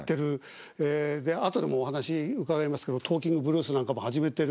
で後でもお話伺いますけど「トーキングブルース」なんかも始めてる。